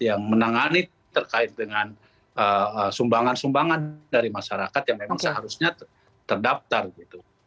yang menangani terkait dengan sumbangan sumbangan dari masyarakat yang memang seharusnya terdaftar gitu